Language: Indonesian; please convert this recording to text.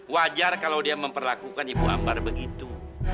wajar kalau dia memperlakukan ibu ambar begitu